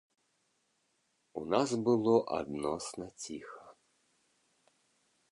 У нас было адносна ціха.